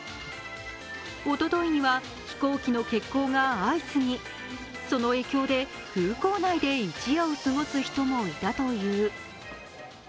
おとといには飛行機の欠航が相次ぎ、その影響で空港内で一夜を過ごす人もいたという。